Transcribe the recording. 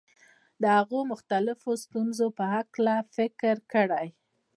د هغو مختلفو ستونزو په هکله فکر کړی.